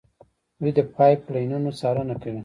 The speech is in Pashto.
دوی د پایپ لاینونو څارنه کوي.